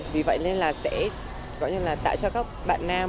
vì vậy nên là sẽ gọi như là tạo cho các bạn nam